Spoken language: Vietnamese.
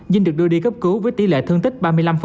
dinh được đưa đi cấp cứu với tỷ lệ thương tích ba mươi năm